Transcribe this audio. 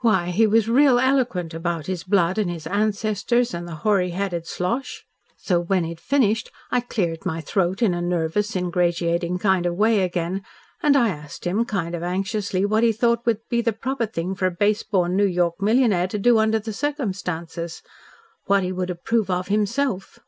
Why, he was real eloquent about his blood and his ancestors and the hoary headed Slosh. So when he'd finished, I cleared my throat in a nervous, ingratiating kind of way again and I asked him kind of anxiously what he thought would be the proper thing for a base born New York millionaire to do under the circumstances what he would approve of himself."